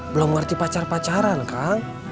belum ngerti pacar pacaran kang